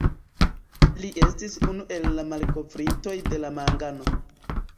Li estis unu el malkovrintoj de mangano.